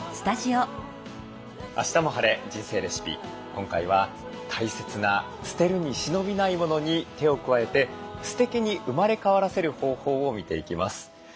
今回は大切な「捨てるに忍びないもの」に手を加えてすてきに生まれ変わらせる方法を見ていきます。